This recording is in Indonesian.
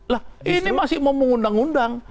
lah ini masih mau mengundang undang